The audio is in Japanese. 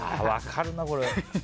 分かるな、これ。